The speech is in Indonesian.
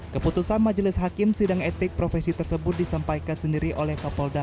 keputusan majelis hakim sidang etik profesi tersebut disampaikan sendiri oleh kapolda